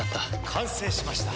完成しました。